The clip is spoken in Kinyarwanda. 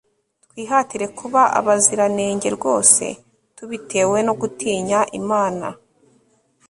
twihatire kuba abaziranenge rwose tubitewe no gutinya imana